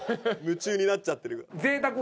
夢中になっちゃってる。